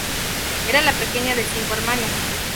Era la pequeña de cinco hermanos.